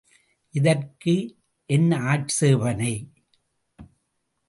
இதற்கு ஏன் ஆட்சேபணை?